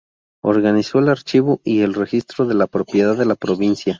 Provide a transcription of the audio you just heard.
Organizó el Archivo y el Registro de la Propiedad de la provincia.